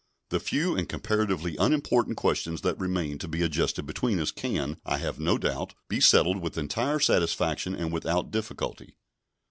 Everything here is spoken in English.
The few and comparatively unimportant questions that remain to be adjusted between us can, I have no doubt, be settled with entire satisfaction and without difficulty.